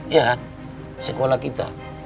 ya kan sekolah kita